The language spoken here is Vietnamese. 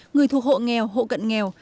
người thuộc hộ nghèo hộ cận nghèo